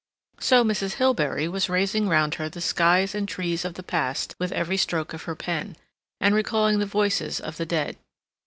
So Mrs. Hilbery was raising round her the skies and trees of the past with every stroke of her pen, and recalling the voices of the dead.